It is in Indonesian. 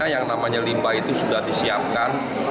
yang namanya limbah itu sudah disiapkan